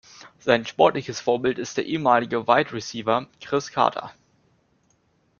Sein sportliches Vorbild ist der ehemalige Wide Receiver Cris Carter.